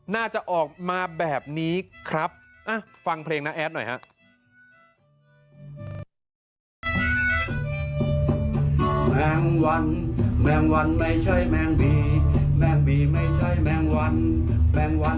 น่าจะออกมาแบบนี้ครับฟังเพลงน้าแอดหน่อยฮะ